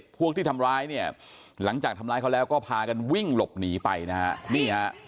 พวกที่ทำร้ายเนี่ยหลังจากทำร้ายเขาแล้วก็พากันวิ่งหลบหนีไปนะฮะนี่ฮะ